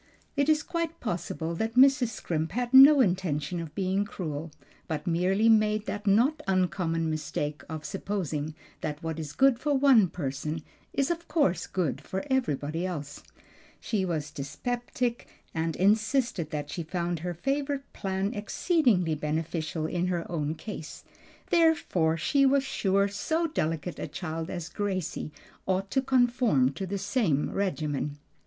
It is quite possible that Mrs. Scrimp had no intention of being cruel, but merely made the not uncommon mistake of supposing that what is good for one person is of course good for everybody else. She was dyspeptic, and insisted that she found her favorite plan exceedingly beneficial in her own case; therefore she was sure so delicate a child as Gracie ought to conform to the same regimen.